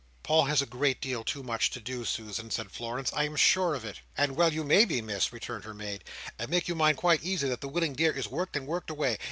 "Paul has a great deal too much to do, Susan," said Florence, "I am sure of it." "And well you may be, Miss," returned her maid, "and make your mind quite easy that the willing dear is worked and worked away.